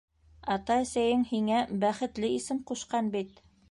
Ата-әсәйең һиңә бәхетле исем ҡушҡан бит.